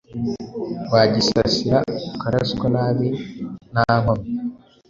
Wagisasira ukaraswa nabi ntankomyi